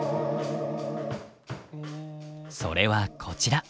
それはこちら。